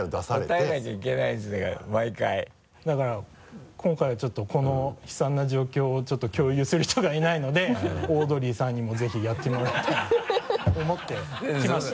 答えなきゃいけないんですか毎回だから今回はちょっとこの悲惨な状況を共有する人がいないのでオードリーさんにもぜひやってもらいたいと思って来ました。